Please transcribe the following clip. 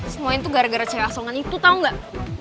semuanya tuh gara gara cewasongan itu tau gak